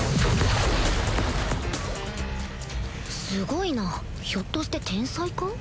すごいなひょっとして天才か？